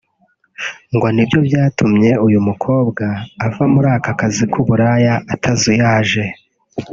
ngo nibyo byatuma uyu mukobwa ava muri aka kazi k’uburaya atazuyaje